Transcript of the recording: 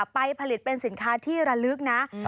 ไปผลิตเป็นสินค้าที่ระลึกนะ